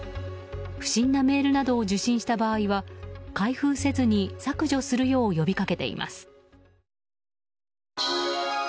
不審なメールなどを受信した場合は開封せずに削除するよう呼びかけています。